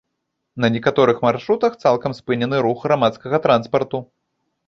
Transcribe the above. На некаторых маршрутах цалкам спынены рух грамадскага транспарту.